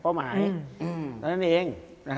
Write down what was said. เป้อะนั้นเอง